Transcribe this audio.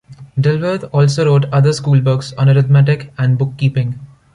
Dilworth also wrote other schoolbooks on arithmetic and bookkeeping.